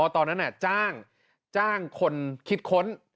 ตอนนั้นจ้างคนคิดค้น